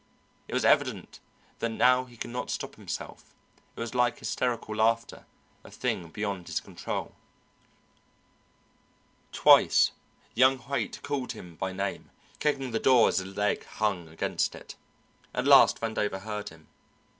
It was evident that now he could not stop himself; it was like hysterical laughter, a thing beyond his control. Twice young Haight called him by name, kicking the door as his leg hung against it. At last Vandover heard him.